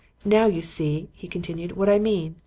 'Now you see,' he continued, 'what I mean.